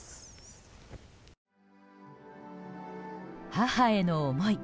母への思い